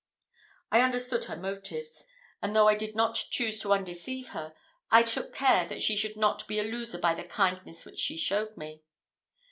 I understood her motives; and though I did not choose to undeceive her, I took care that she should not be a loser by the kindness which she showed me.